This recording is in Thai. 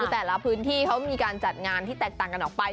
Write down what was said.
แต่ละพื้นที่เขามีการจัดงานที่แตกต่างกันออกไป